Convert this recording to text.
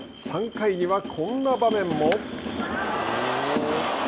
３回にはこんな場面も。